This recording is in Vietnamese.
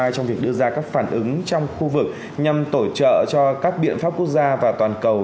trong việc đưa ra các phản ứng trong khu vực nhằm tổ trợ cho các biện pháp quốc gia và toàn cầu